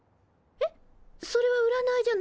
えっ！？